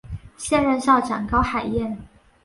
现任校长高海燕。